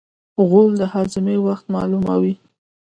غول د هاضمې وخت معلوموي.